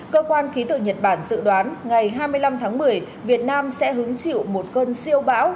cơ quan khí tượng nhật bản dự đoán ngày hai mươi năm tháng một mươi việt nam sẽ hứng chịu một cơn siêu bão